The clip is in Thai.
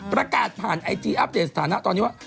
ประกาศผ่านไอจีอัปเดตสถานะตอนนี้ว่า